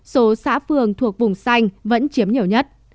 số xã phường thuộc vùng xanh vẫn chiếm nhiều nhất